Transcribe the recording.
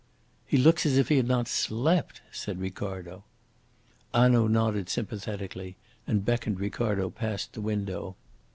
"He looks as if he had not slept," said Ricardo. Hanaud nodded sympathetically, and beckoned Ricardo past the window.